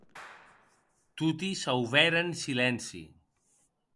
Toti sauvèren silenci.